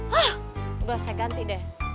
hah udah saya ganti deh